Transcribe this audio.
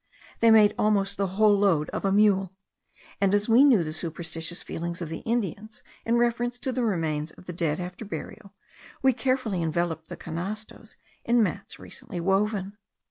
They made almost the whole load of a mule; and as we knew the superstitious feelings of the Indians in reference to the remains of the dead after burial, we carefully enveloped the canastos in mats recently woven.